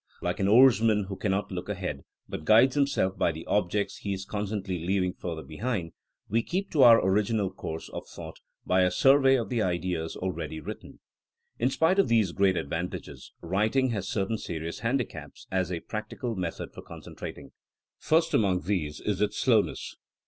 like an oarsman, who cannot look ahead, but guides himself by the objects he is constantly leaving further behind, we keep to our original course of thought by a survey of the ideas already writ ten. In spite of these great advantages, writing has certain serious handicaps as a practical method for concentrating. First among these is its slowness.